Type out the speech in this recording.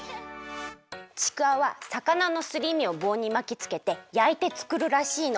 ちくわはさかなのすりみをぼうにまきつけてやいてつくるらしいの。